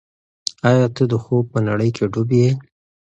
آیا ته د خوب په نړۍ کې ډوب یې؟